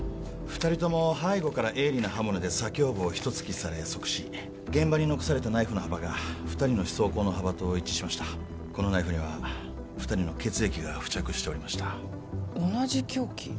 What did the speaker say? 二人とも背後から鋭利な刃物で左胸部を一突きされ即死現場に残されたナイフの幅が二人の刺創口の幅と一致しましたこのナイフには二人の血液が付着しておりました同じ凶器？